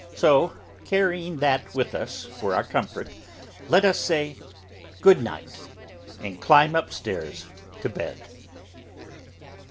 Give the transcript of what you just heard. So, carrying that with us for our comfort, let us say, Good night, and climb up stairs to bed.